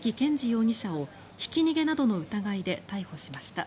容疑者をひき逃げなどの疑いで逮捕しました。